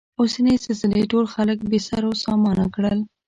اوسنۍ زلزلې ټول خلک بې سرو سامانه کړل.